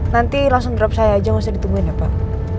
nanti langsung drop saya aja masih ditungguin ya pak